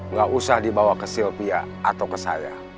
nggak usah dibawa ke sylpia atau ke saya